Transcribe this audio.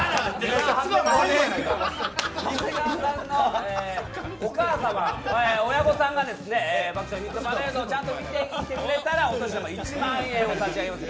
長谷川さんのお母様親御さんが「爆笑ヒットパレード」をちゃんと見てくれていたらお年玉１万円を差し上げます。